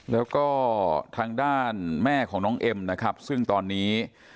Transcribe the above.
แล้วก็ทางด้านแม่ของน้องเอ็มนะครับซึ่งตอนนี้